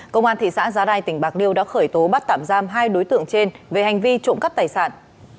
công an thị xã giá rai tỉnh bạc liêu đã khởi tố bắt tạm giam hai đối tượng trên về hành vi trộm cắp tài sản